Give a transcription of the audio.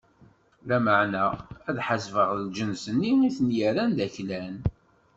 Lameɛna, ad ḥasbeɣ lǧens-nni i ten-irran d aklan.